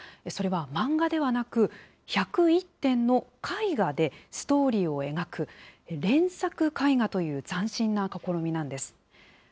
それは漫画ではなく、１０１点の絵画でストーリーを描く、連作絵画という斬新な試みなんです。